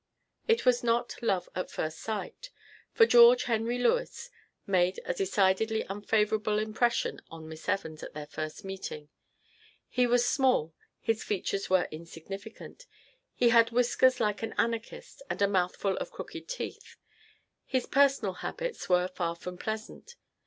It was not love at first sight, for George Henry Lewes made a decidedly unfavorable impression on Miss Evans at their first meeting. He was small, his features were insignificant, he had whiskers like an anarchist and a mouthful of crooked teeth; his personal habits were far from pleasant.